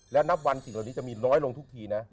และนับวันสิ่งเหล่านี้จะมีน้อยลงทุกทีนะ